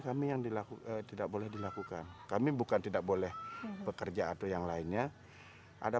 kami yang dilakukan tidak boleh dilakukan kami bukan tidak boleh bekerja atau yang lainnya ada